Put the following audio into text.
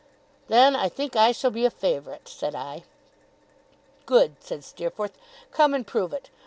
'Then I think I shall be a favourite,' said I. 'Good!' said Steerforth. 'Come and prove it.